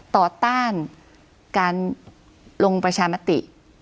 ต้านการลงประชามติ